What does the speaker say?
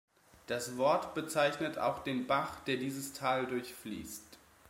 Das Wort bezeichnet auch den Bach, der dieses Tal durchfließt.